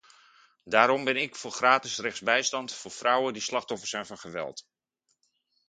Daarom ben ik voor gratis rechtsbijstand voor vrouwen die slachtoffer zijn van geweld.